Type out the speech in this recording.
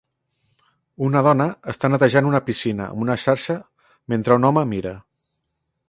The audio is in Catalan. Un dona està netejant una piscina amb una xarxa mentre un home mira.